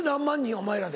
お前らで。